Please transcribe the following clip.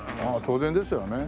当然ですよね。